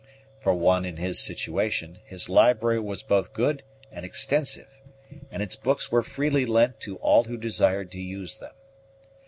For one in his situation, his library was both good and extensive, and its books were freely lent to all who desired to use them.